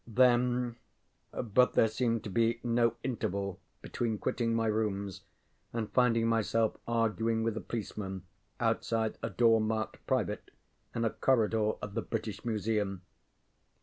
Then... but there seemed to be no interval between quitting my rooms and finding myself arguing with a policeman outside a door marked Private in a corridor of the British Museum.